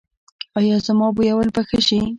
ایا زما بویول به ښه شي؟